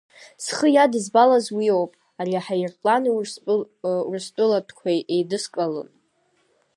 Схы иадызбалаз уиоуп, ари аҳаирплани урыстәылатәқәеи еидыскылон.